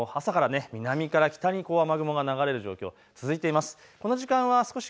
きょうも朝から南から北へ雨雲が流れる状況が続いています。